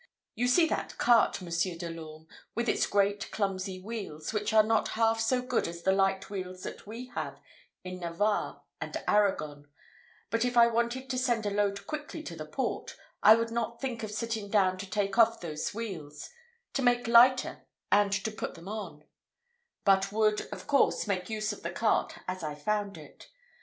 You see that cart, Monsieur de l'Orme, with its great clumsy wheels, which are not half so good as the light wheels that we have in Navarre and Arragon, but if I wanted to send a load quickly to the port, I would not think of sitting down to take off those wheels to make lighter, and to put them on but would, of course, make use of the cart as I found it.